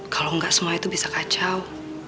kalau enggak semua itu bisa kacau